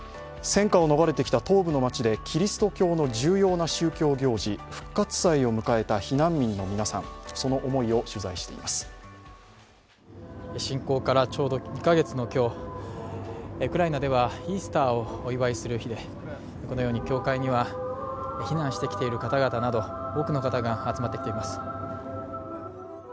戦火を逃れてきた東部の町でキリスト教の重要な宗教行事復活祭を迎えた避難民の皆さん、侵攻からちょうど２カ月の今日、ウクライナではイースターをお祝いする日でこのように教会には避難してきている方々など、多くの方が集まってきています。